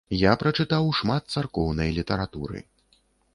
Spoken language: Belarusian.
Я прачытаў шмат царкоўнай літаратуры.